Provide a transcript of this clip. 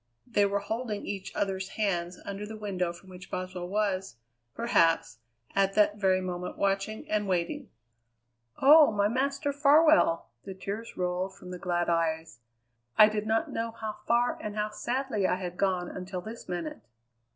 They were holding each other's hands under the window from which Boswell was, perhaps, at that very moment watching and waiting. "Oh! my Master Farwell!" The tears rolled from the glad eyes. "I did not know how far and how sadly I had gone until this minute!"